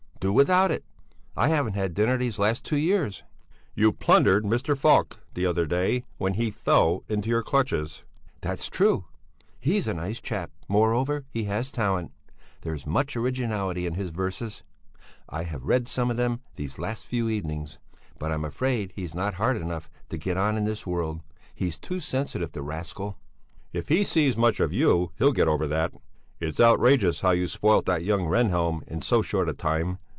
Do without it! I haven't had a dinner these last two years." "You plundered Mr. Falk the other day, when he fell into your clutches." "That's true! He's a nice chap; moreover, he has talent. There's much originality in his verses; I have read some of them these last few evenings. But I'm afraid he's not hard enough to get on in this world. He's too sensitive, the rascal!" "If he sees much of you, he'll get over that. It's outrageous how you spoilt that young Rehnhjelm in so short a time.